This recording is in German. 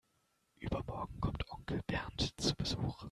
Übermorgen kommt Onkel Bernd zu Besuch.